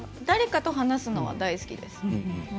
誰かと話すのは大好きです。